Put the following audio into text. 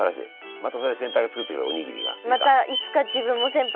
またそれ先輩が作ってくれるおにぎりが。